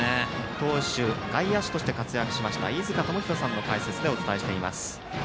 投手、外野手として活躍しました飯塚智広さんの解説でお伝えしています。